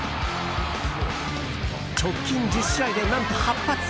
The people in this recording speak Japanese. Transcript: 直近１０試合で何と８発。